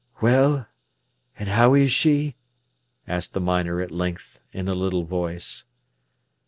"Well, an' how is she?" asked the miner at length, in a little voice.